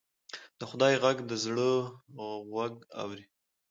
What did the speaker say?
د خدای غږ د زړه غوږ اوري